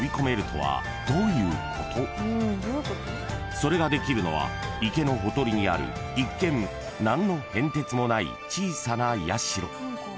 ［それができるのは池のほとりにある一見何の変哲もない小さな社］